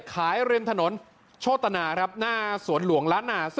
ริมถนนโชตนาครับหน้าสวนหลวงล้านนา๓